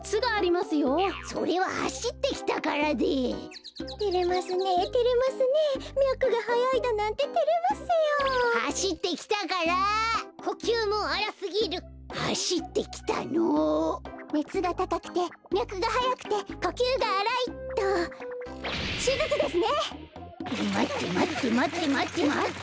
まってまってまってまってまって！